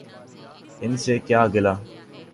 ان سے کیا گلہ۔